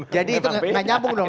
jadi itu gak nyambung dong